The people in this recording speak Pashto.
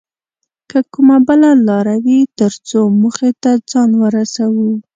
که کومه بله لاره وي تر څو موخې ته ځان ورسوو